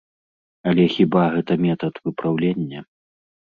Але хіба гэта метад выпраўлення?